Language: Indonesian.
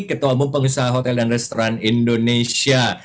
ketua bumpeng usaha hotel dan restoran indonesia